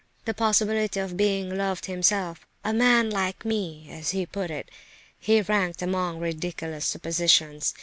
The possibility of being loved himself, "a man like me," as he put it, he ranked among ridiculous suppositions.